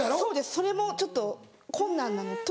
それもちょっと困難なのと。